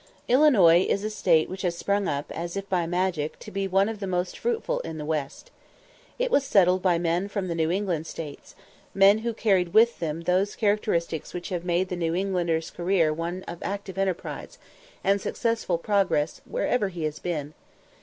Illinois is a State which has sprung up, as if by magic, to be one of the most fruitful in the West. It was settled by men from the New England States men who carried with them those characteristics which have made the New Englander's career one of active enterprise, and successful progress, wherever he has been.